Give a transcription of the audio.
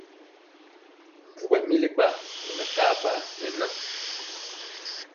Mbu ɓɛmili ba ne mekaba ne ŋa.